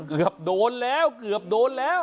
เกือบโดนแล้วเกือบโดนแล้ว